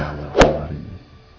ya allah hari ini